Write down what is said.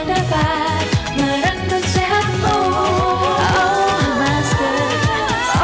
terima kasih atas perhatian saya